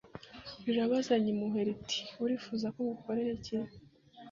rirabazanya impuhwe riti : "Urifuza ko ngukorera iki?"